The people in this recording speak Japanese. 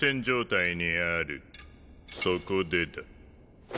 そこでだ。